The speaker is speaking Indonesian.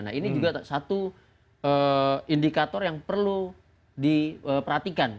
nah ini juga satu indikator yang perlu diperhatikan